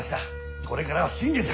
これからは信玄じゃ。